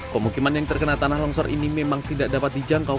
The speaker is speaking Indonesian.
pemukiman yang terkena tanah longsor ini memang tidak dapat dijangkau